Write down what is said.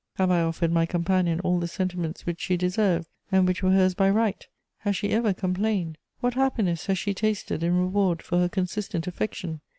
Have I offered my companion all the sentiments which she deserved and which were hers by right? Has she ever complained? What happiness has she tasted in reward for her consistent affection?